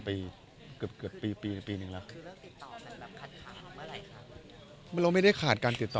แต่พอเขาเปิดตัวใหม่คือเราเลือกจะไม่ติดต่อ